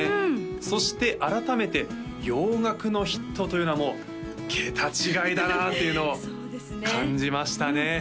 うんそして改めて洋楽のヒットというのはもう桁違いだなというのを感じましたね